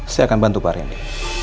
saya akan bantu pak randy